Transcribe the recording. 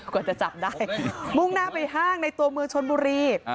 กว่าจะจับได้มุ่งหน้าไปห้างในตัวเมืองชนบุรี